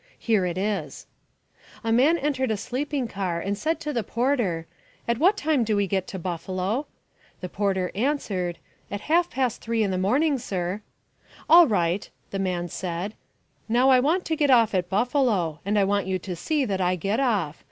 Here it is: A man entered a sleeping car and said to the porter, "At what time do we get to Buffalo?" The porter answered, "At half past three in the morning, sir." "All right," the man said; "now I want to get off at Buffalo, and I want you to see that I get off.